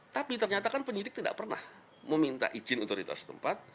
tapi ternyata kan penyidik tidak pernah meminta izin otoritas tempat